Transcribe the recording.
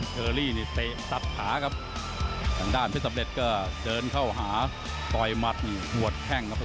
เชอรี่นี่ตัดขาครับด้านด้านพี่สำเร็จก็เดินเข้าหาต่อยมัดหัวแข้งครับผม